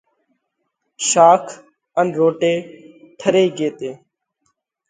شاک ان روٽي ٺري ڳي تي۔